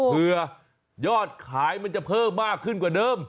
เพื่อยอดขายมันจะเพิ่มมากขึ้นกว่าเดิม